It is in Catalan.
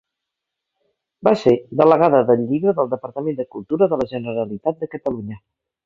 Va ser delegada del Llibre del Departament de Cultura de la Generalitat de Catalunya.